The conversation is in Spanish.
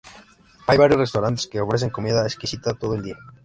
Hay varios Restaurantes que ofrecen comida exquisita todo el día.